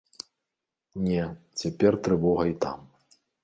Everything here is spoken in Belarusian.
Не, цяпер трывога і там.